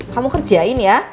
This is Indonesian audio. kamu kerjain ya